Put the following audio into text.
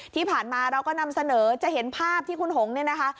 ที่ผ่านมาเราก็นำเสนอจะเห็นภาพที่คุณหงเนี่ยนะคะ